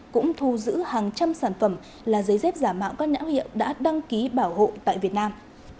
cũng thu giữ hàng trăm sản phẩm là giấy dép giả mạo các não hiệu đã đăng ký bảo hộ tại việt nam